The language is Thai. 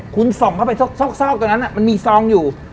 คุณส่องเข้าไปซอกตรงนั้นมันมีซองอยู่